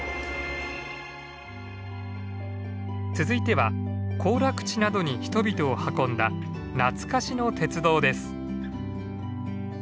続いては行楽地などに人々を運んだ懐かしの鉄道です。